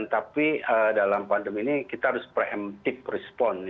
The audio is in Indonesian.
tapi dalam pandemi ini kita harus preemptif respon